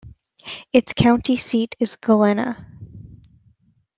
Its county seat is Galena.